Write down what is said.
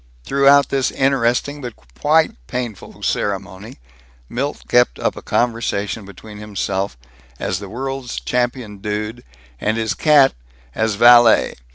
Throughout this interesting but quite painful ceremony Milt kept up a conversation between himself as the World's Champion Dude, and his cat as Vallay.